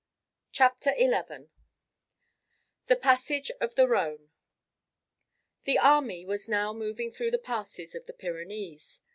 CHAPTER XI: THE PASSAGE OF THE RHONE The army was now moving through the passes of the Pyrenees.